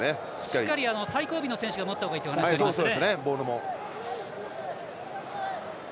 しっかり最後尾の選手が持った方がいいという話ですね。